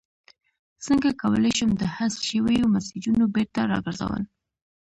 څنګه کولی شم د حذف شویو میسجونو بیرته راګرځول